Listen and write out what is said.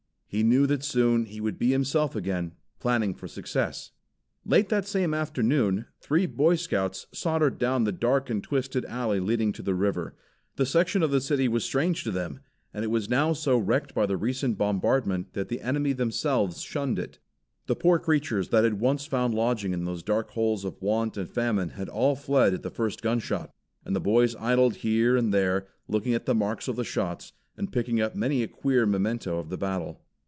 He knew that soon he would be himself again, planning for success. Late that same afternoon three Boy Scouts sauntered down the dark and twisted alley leading to the river. The section of the city was strange to them, and it was now so wrecked by the recent bombardment that the enemy themselves shunned it. The poor creatures that had once found lodging in those dark holes of want and famine had all fled at the first gunshot; and the boys idled here and there, looking at the marks of the shots, and picking up many a queer memento of the battle.